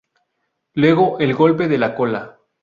Luego el golpe de la cola.